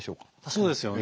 そうですよね。